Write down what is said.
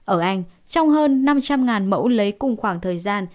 ở anh trong hơn năm trăm linh mẫu lấy cùng khoảng thời gian